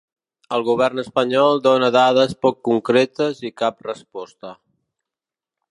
El govern espanyol dóna dades poc concretes i cap resposta.